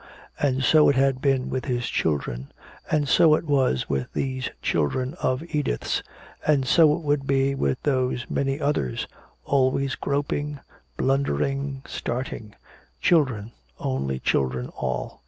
And so it had been with his children, and so it was with these children of Edith's, and so it would be with those many others always groping, blundering, starting children, only children all.